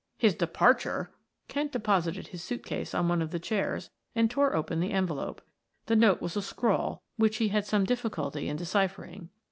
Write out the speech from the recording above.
"His departure!" Kent deposited his suit case on one of the chairs and tore open the envelope. The note was a scrawl, which he had some difficulty in deciphering.